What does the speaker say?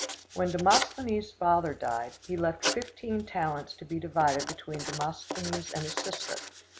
When Demosthenes' father died, he left fifteen talents to be divided between Demosthenes and his sister.